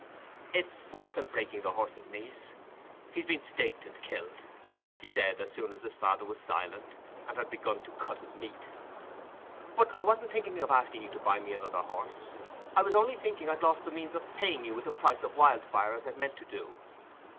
"It's worse than breaking the horse's knees—he's been staked and killed," he said, as soon as his father was silent, and had begun to cut his meat. "But I wasn't thinking of asking you to buy me another horse; I was only thinking I'd lost the means of paying you with the price of Wildfire, as I'd meant to do.